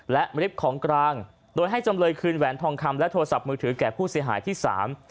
และริบของกลางโดยให้จำเลยคืนแหวนทองคำและโทรศัพท์มือถือแก่ผู้เสียหายที่สาม